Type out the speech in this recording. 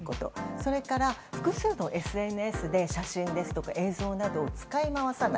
それから複数のＳＮＳで写真ですとか映像などを使い回さない。